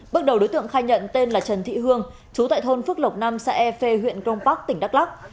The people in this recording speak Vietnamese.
bước đầu đối tượng khai nhận tên là trần thị hương chú tại thôn phước lộc năm xã e phê huyện công bắc tỉnh đắk lắc